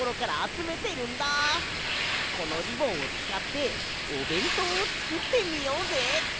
このリボンをつかっておべんとうをつくってみようぜ！